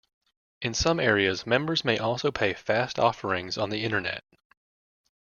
In some areas, members may also pay fast offerings on the Internet.